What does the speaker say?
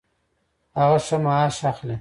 هغه ښه معاش اخلي